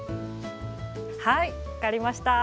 はい分かりました。